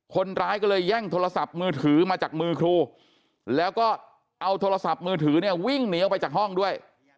คนร้ายก็เลยแย่งโทรศัพท์มือถือมาจากมือครูแล้วก็เอาโทรศัพท์มือถือเนี่ยวิ่งหนีออกไปจากห้องด้วย